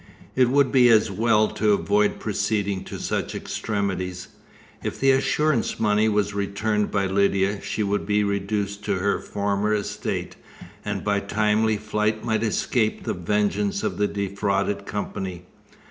It would be as well to avoid proceeding to such extremities. If the assurance money was returned by Lydia, she would be reduced to her former estate, and by timely flight might escape the vengeance of the defrauded company.